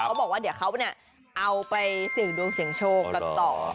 เขาบอกว่าเดี๋ยวเขาเนี่ยเอาไปเสี่ยงดวงเสียงโชคกันต่อ